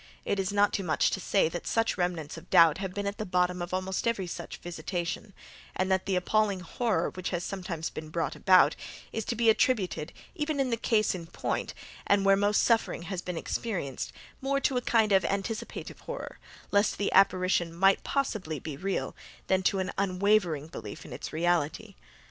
It is not too much to say that such remnants of doubt have been at the bottom of almost every such visitation, and that the appalling horror which has sometimes been brought about, is to be attributed, even in the cases most in point, and where most suffering has been experienced, more to a kind of anticipative horror, lest the apparition might possibly be real, than to an unwavering belief in its reality.